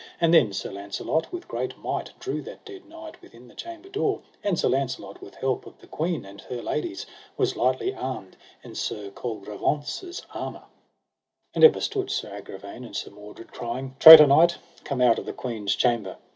And then Sir Launcelot with great might drew that dead knight within the chamber door; and Sir Launcelot with help of the queen and her ladies was lightly armed in Sir Colgrevance's armour. And ever stood Sir Agravaine and Sir Mordred crying: Traitor knight, come out of the queen's chamber.